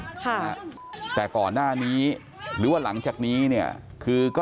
ก็กลายเป็นว่าติดต่อพี่น้องคู่นี้ไม่ได้เลยค่ะ